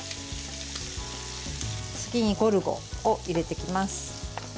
次に、ゴルゴを入れていきます。